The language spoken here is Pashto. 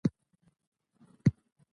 قانون د مسوولیت احساس پیاوړی کوي.